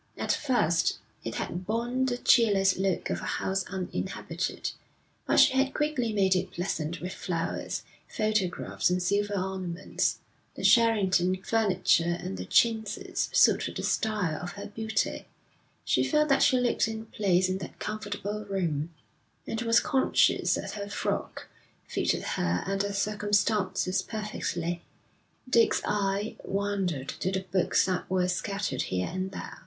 At first it had borne the cheerless look of a house uninhabited, but she had quickly made it pleasant with flowers, photographs, and silver ornaments. The Sheraton furniture and the chintzes suited the style of her beauty. She felt that she looked in place in that comfortable room, and was conscious that her frock fitted her and the circumstances perfectly. Dick's eye wandered to the books that were scattered here and there.